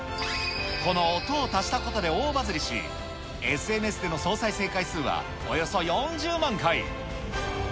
この音を足したことで大バズりし、ＳＮＳでの総再生回数は、およそ４０万回。